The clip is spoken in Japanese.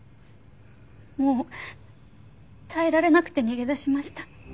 もう耐えられなくて逃げ出しました。